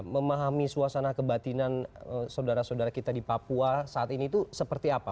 memahami suasana kebatinan saudara saudara kita di papua saat ini itu seperti apa